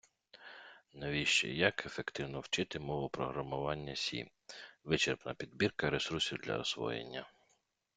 Навіщо і як ефективно вчити мову програмування Сі: вичерпна підбірка ресурсів для освоєння